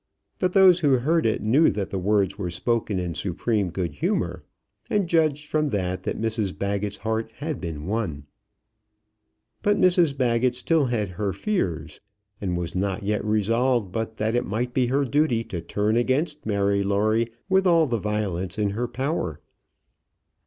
But those who heard it knew that the words were spoken in supreme good humour, and judged from that, that Mrs Baggett's heart had been won. But Mrs Baggett still had her fears; and was not yet resolved but that it might be her duty to turn against Mary Lawrie with all the violence in her power.